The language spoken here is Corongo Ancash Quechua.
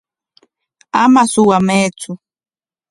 Ama suwamaytsu.